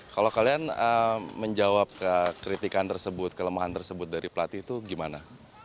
kalau kalian menjawab kritikan tersebut kelemahan tersebut dari pelatih itu gimana